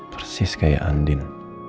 persis kayak andin